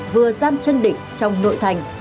vừa giam chân định trong nội thành